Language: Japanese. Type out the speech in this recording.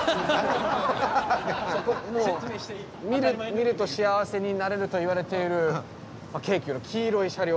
見ると幸せになれるといわれている京急の黄色い車両。